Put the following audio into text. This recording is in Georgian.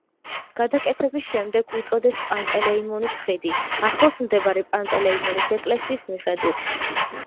გადაკეთების შემდეგ უწოდეს პანტელეიმონის ხიდი, ახლოს მდებარე პანტელეიმონის ეკლესიის მიხედვით.